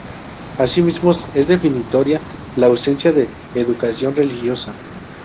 Asimismo es definitoria la ausencia de educación religiosa.